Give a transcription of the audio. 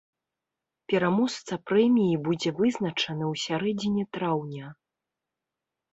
Пераможца прэміі будзе вызначаны ў сярэдзіне траўня.